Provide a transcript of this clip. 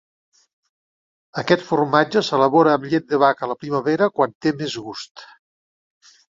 Aquest formatge s'elabora amb llet de vaca a la primavera, quan té més gust.